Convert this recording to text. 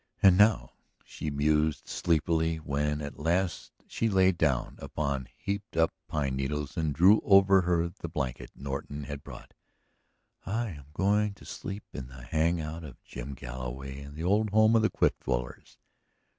"And now," she mused sleepily when at last she lay down upon heaped up pine needles and drew over her the blanket Norton had brought, "I am going to sleep in the hang out of Jim Galloway and the old home of the cliff dwellers!